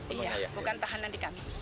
iya bukan tahanan di kami